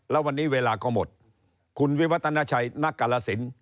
แล้ววันนี้เวลาก็หมดคุณวิวัฒนาชัยนักกาลสิน